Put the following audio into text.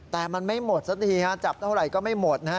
แต่มันไม่หมดสักทีฮะจับเท่าไหร่ก็ไม่หมดนะฮะ